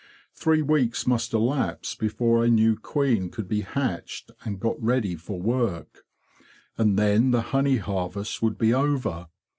Three weeks must elapse before a new queen could be hatched and got ready for work; and then the honey harvest would be over.